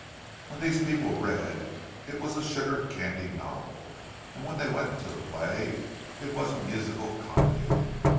When these people read, it was a sugar candy novel, and when they went to the play, it was a musical comedy.